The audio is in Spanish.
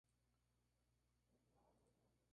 Se distribuye por las principales cordilleras de Europa.